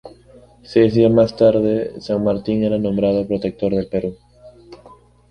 Seis días más tarde, San Martín era nombrado Protector del Perú.